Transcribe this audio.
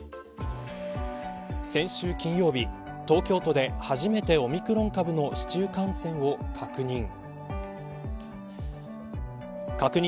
先週金曜日東京都で初めてオミクロン株の市中感染を確認。